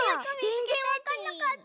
ぜんぜんわかんなかった。